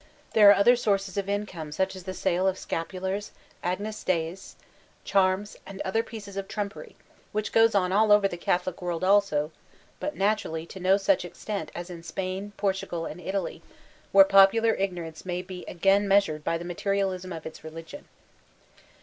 There are other sources of mcome such as the sale of scapulars, agnus deis, charms, and other pieces of inanptryf which goes on all over the Catholic world also, but naturally to no such extent as in Spain, Portugal, and Italy, where popular ignorance may be again measured by the materialism of its religion.